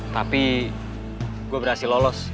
tapi gue berhasil lolos